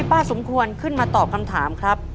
พ่อสนอเลือกตอบตัวเลือกที่๒คือแป้งมันครับ